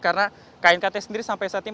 karena knkt sendiri sampai saat ini